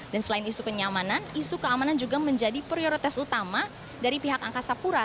dan selain isu kenyamanan isu keamanan juga menjadi prioritas utama dari pihak angkasa pura